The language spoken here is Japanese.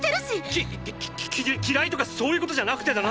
きき嫌いとかそういうことじゃなくてだな！